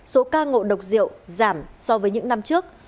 số ca ngộ độc rượu giảm so với những năm trước